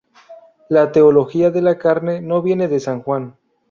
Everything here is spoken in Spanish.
La teología de la carne no viene de San Juan.